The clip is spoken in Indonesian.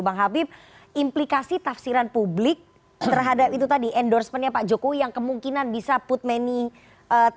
bang habib implikasi tafsiran publik terhadap itu tadi endorsementnya pak jokowi yang kemungkinan bisa put many